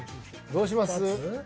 どうします？